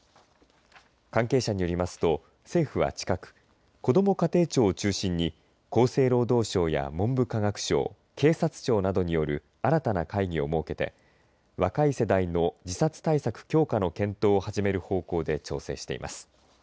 関係者によりますと、政府は近くこども家庭庁を中心に厚生労働省や文部科学省警察庁などによる新たな会議を設けて若い世代の自殺対策強化の検討を始める方向で調整しています。